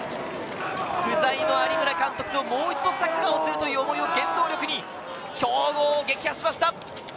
不在の有村監督と、もう一度サッカーをするという思いを原動力に、強豪を撃破しました。